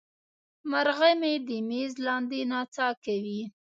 مرغه مې د میز لاندې نڅا کوي.